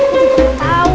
kita nggak tahu